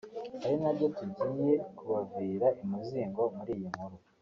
ari nabyo tugiye kubavira imuzingo muri iyi nkuru